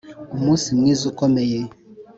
umunsi mwiza ukomeye,